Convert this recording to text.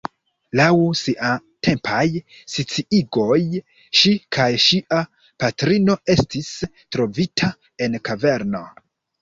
Laŭ siatempaj sciigoj, ŝi kaj ŝia patrino estis trovita en kaverno.